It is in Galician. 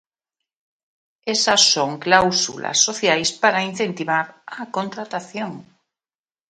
Esas son cláusulas sociais para incentivar a contratación.